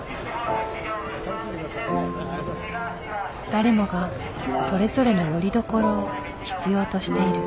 誰もがそれぞれのよりどころを必要としている。